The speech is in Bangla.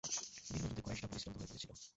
দীর্ঘ যুদ্ধে কুরাইশরা পরিশ্রান্ত হয়ে পড়েছিল।